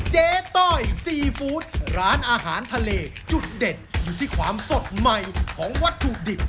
เจ๊ต้อยซีฟู้ดร้านอาหารทะเลจุดเด็ดอยู่ที่ความสดใหม่ของวัตถุดิบ